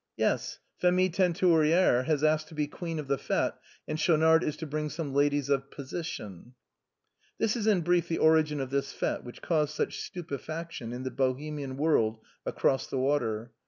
" Yes. Phémie Teinturière has asked to be queen of the fête, and Schaunard is to bring some ladies of position." This is in brief the origin of this fête which caused such stupefaction in the Bohemian world across the water.